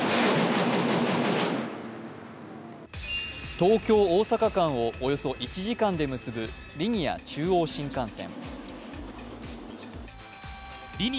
東京・大阪間をおよそ１時間で結ぶリニア中央新幹線。